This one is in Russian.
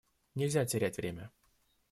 Нельзя терять время.